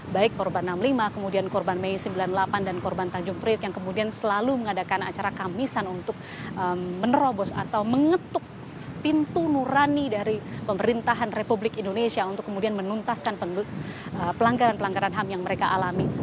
baik korban enam puluh lima kemudian korban mei sembilan puluh delapan dan korban tanjung priok yang kemudian selalu mengadakan acara kamisan untuk menerobos atau mengetuk pintu nurani dari pemerintahan republik indonesia untuk kemudian menuntaskan pelanggaran pelanggaran ham yang mereka alami